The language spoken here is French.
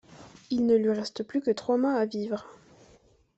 Il ne lui reste plus que trois mois à vivre.